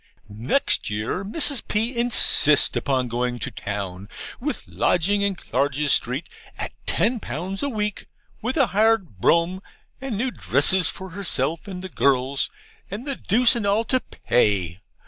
Next year, Mrs. P. insists upon going to town with lodgings in Clarges Street at ten pounds a week, with a hired brougham, and new dresses for herself and the girls, and the deuce and all to pay.